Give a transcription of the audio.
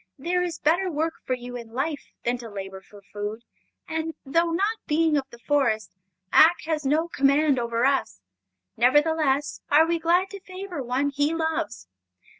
There is better work for you in life than to labor for food, and though, not being of the Forest, Ak has no command over us, nevertheless are we glad to favor one he loves.